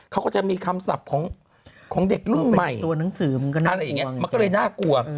เขาก็จะมีคำศัพท์ของเด็กรุ่นใหม่มันก็เลยน่ากลัว